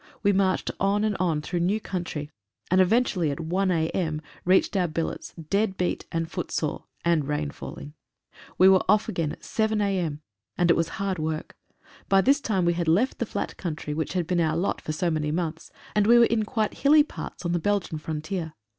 We marched on and on through new country, and eventually at 1 a.m., reached our billets, dead beat and foot sore, and rain falling. We were off again at 7 a.m., and it was hard work. By this time we had left the flat country which had been our lot for so many months, and we were in quite hilly parts on the Belgian frontier.